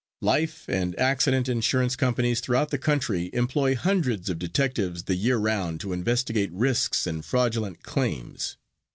Life and accident insurance companies throughout the country employ hundreds of detectives the year round to investigate risks and fraudulent claims.